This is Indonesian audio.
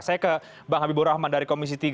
saya ke bang habibur rahman dari komisi tiga